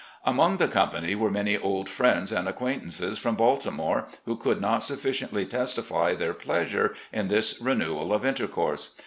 Among the company were many old friends and ac quaintances from Baltimore, who could not sufficiently testify their pleasure in this renewal of intercourse.